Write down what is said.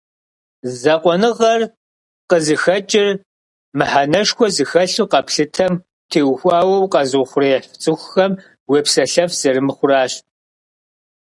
Закъуэныгъэр къызыхэкӏыр мыхьэнэшхуэ зыхэлъу къэплъытэм теухуауэ укъэзыухъуреихь цӏыхухэм уепсэлъэф зэрымыхъуращ.